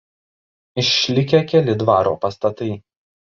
Išlikę keli dvaro pastatai.